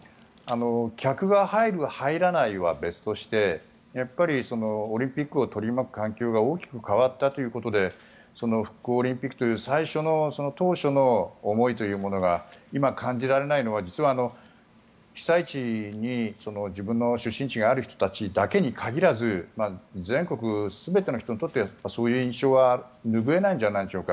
客が入る、入らないは別としてオリンピックを取り巻く環境が大きく変わったということで復興オリンピックという当初の思いというものが今、感じられないのは実は被災地に自分の出身地がある人だけに限らず全国全ての人にとってそういう印象は拭えないんじゃないでしょうか。